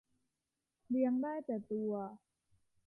เลี้ยงได้แต่ตัว